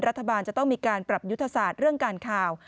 รัฐบาลจะต้องมีการปรับยุทธศาสตร์เรื่องการข่าว